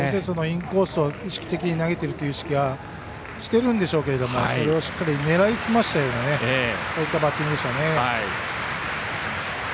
インコースを意識的に投げているという意識はしているんでしょうけどそれを、しっかり狙いすましたようなバッティングでしたね。